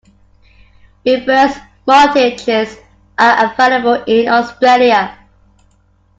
Reverse mortgages are available in Australia.